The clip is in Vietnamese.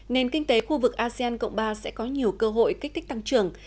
nền kinh tế khu vực asean cộng ba sẽ có nhiều cơ hội kích thích tăng trưởng